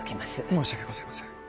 申し訳ございません